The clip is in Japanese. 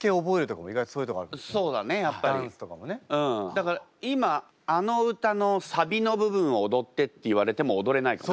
だから今あの歌のサビの部分を踊ってって言われても踊れないかも。